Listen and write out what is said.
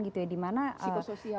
gitu ya dimana psikososial